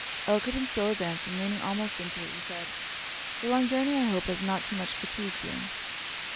Elkerton still advanced, and leaning almost into it, he said 'Your long journey, I hope, has not too much fatigued you.'